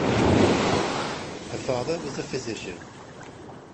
Her father was a physician.